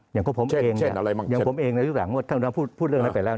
เพราะแบบผมเองน่ะชุดหลังพูดเรื่องนั้นไปแล้ว